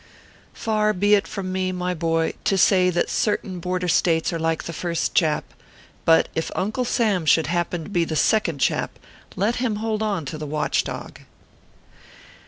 Far be it from me, my boy, to say that certain Border States are like the first chap ; but if Uncle Sam should happen to be the second chap let him hold on to the watch dog.